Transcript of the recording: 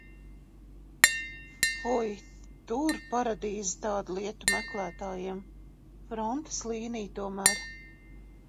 Oi, tur paradīze tādu lietu meklētājiem, frontes līnija tomēr.